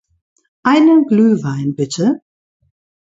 Einen Glühwein, bitte.